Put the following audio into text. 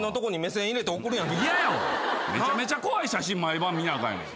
めちゃめちゃ怖い写真毎晩見なあかんやん。